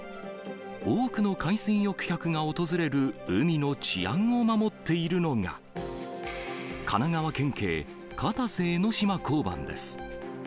多くの海水浴客が訪れる海の治安を守っているのが、神奈川県警片瀬江の島交番です。